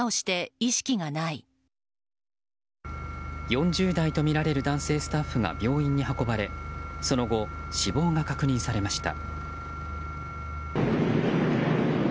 ４０代とみられる男性スタッフが病院に運ばれその後、死亡が確認されました。